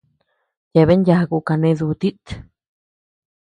Yeabean yaku kané dutit.